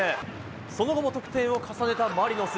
その後も得点を重ねたマリノス。